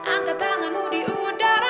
angkat tanganmu di udara